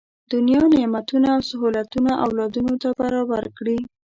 دنیا نعمتونه او سهولتونه اولادونو ته برابر کړي.